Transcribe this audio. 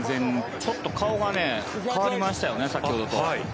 ちょっと顔が変わりましたよね先ほどと。